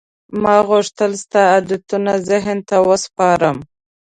ما غوښتل ستا عادتونه ذهن ته وسپارم.